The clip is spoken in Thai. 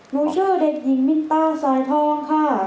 หนูชื่อเด็กหญิงมินตาสายทองค่ะ